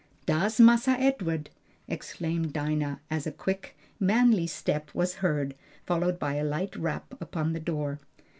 "Dar's Massa Edward!" exclaimed Dinah, as a quick, manly step was heard, followed by a light rap upon the door.